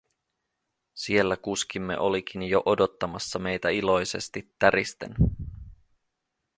Siellä kuskimme olikin jo odottamassa meitä iloisesti täristen.